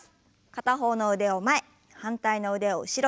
片方の腕を前反対の腕を後ろに。